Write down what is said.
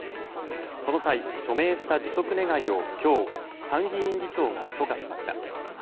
その際、署名した辞職願を今日参議院議長が許可しました。